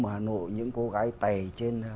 ở hà nội những cô gái tè trên